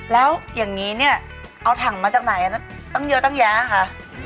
แล้วอย่างนี้เนี่ยเอาถังมาจากไหนตั้งเยอะตั้งแยะคะ